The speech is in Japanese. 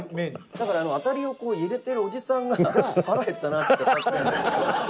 だから当たりをこう入れてるおじさんが「腹減ったな」っつってこうやって。